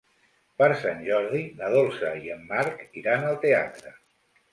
Per Sant Jordi na Dolça i en Marc iran al teatre.